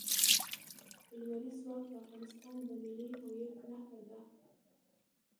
لمریز ځواک د افغانستان د ملي هویت نښه ده.